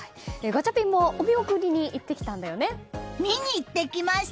ガチャピンもお見送りに行ってきたんだよね？